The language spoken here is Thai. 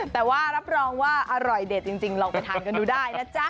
แต่ว่ารับรองว่าอร่อยเด็ดจริงลองไปทานกันดูได้นะจ๊ะ